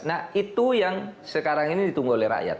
nah itu yang sekarang ini ditunggu oleh rakyat